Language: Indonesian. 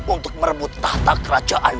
untuk merebut tahta kerajaan